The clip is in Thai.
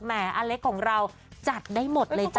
แม่อาเลของเราจัดได้หมดเลยจ้ะ